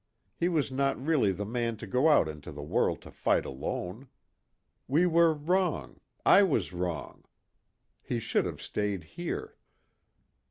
He was not really the man to go out into the world to fight alone. We were wrong. I was wrong. He should have stayed here."